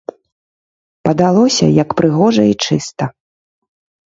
Падалося, як прыгожа і чыста.